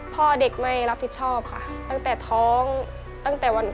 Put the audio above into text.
พ่อเด็กไม่รับผิดชอบค่ะตั้งแต่ท้องตั้งแต่วันนั้น